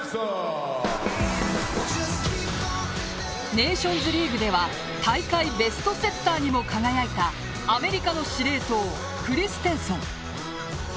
ネーションズリーグでは大会ベストセッターにも輝いたアメリカの司令塔クリステンソン。